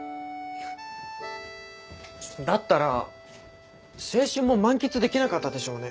だったら青春も満喫できなかったでしょうね。